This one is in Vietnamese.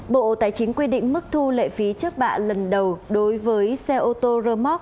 bộ tài chính quy định mức thu lệ phí trước bạ lần đầu đối với xe ô tô remote